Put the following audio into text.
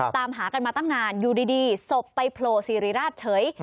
ตามหากันมาตั้งนานอยู่ดีศพไปโผล่สิริราชเฉย